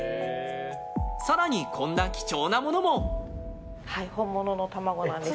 更にこんな貴重なものも。